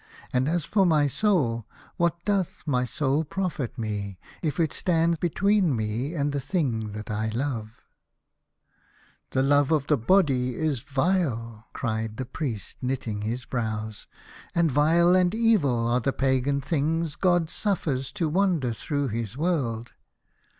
And as for my soul, what doth my soul profit me, if it stand between me and the thing that I love ?"" The love of the body is vile," cried the Priest, knitting his brows, "and vile and evil are the pagan things God suffers to wander through His world.